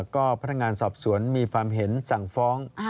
ก็พระท่านงานสอบสวนมีความเห็นจังฟ้อง